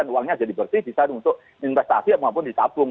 uangnya jadi bersih bisa untuk investasi apapun ditabung